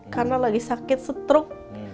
karena lagi sakit setruk